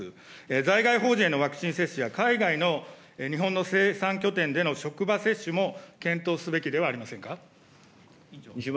在外邦人へのワクチン接種や海外の日本の生産拠点での職場接種も、検討すべきではありませんか。